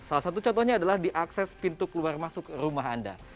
salah satu contohnya adalah di akses pintu keluar masuk rumah anda